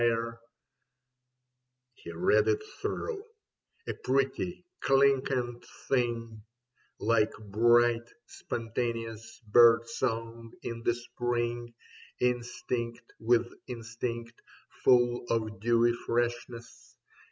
5 66 Leda He read it through : a pretty, clinquant thing, Like bright spontaneous bird song in the spring. Instinct with instinct, full of dewy freshness.